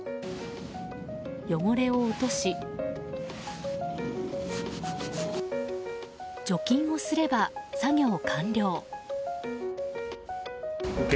汚れを落とし除菌をすれば、作業完了。